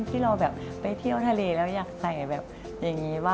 ที่มันแบบไม่โป้เกินไปอย่างนี้ค่ะ